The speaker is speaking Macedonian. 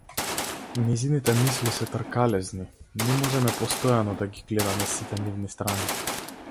Нејзините мисли се тркалезни, не можеме постојано да ги гледаме сите нивни страни.